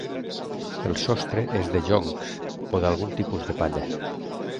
El sostre és de joncs o d'algun tipus de palla.